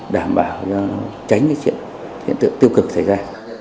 đảm bảo cho tránh cái chuyện hiện tượng tiêu cực xảy ra